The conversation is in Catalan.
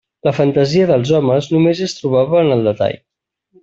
La fantasia dels homes només es trobava en el detall.